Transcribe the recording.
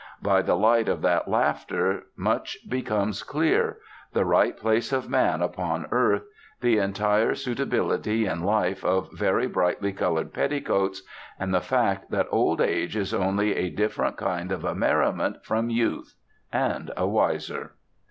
By the light of that laughter much becomes clear the right place of man upon earth, the entire suitability in life of very brightly coloured petticoats, and the fact that old age is only a different kind of a merriment from youth, and a wiser.